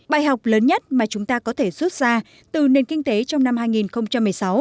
bài học lớn nhất mà chúng ta có thể rút ra từ nền kinh tế trong năm hai nghìn một mươi sáu